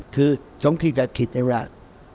คือ๒ขีดกับขีดในรัก